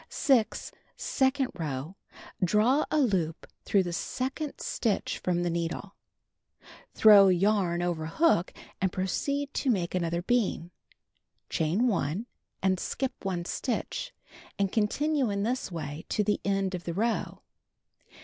6. Second row: Draw a loop through the second stitch from the needle. Throw yarn over hook and proceed to make another bean. Chain 1, and skip 1 stitch and continue in this way to the end of the row.